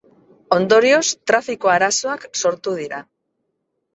Ondorioz, trafiko arazoak sortu dira.